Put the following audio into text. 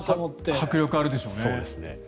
迫力あるでしょうね。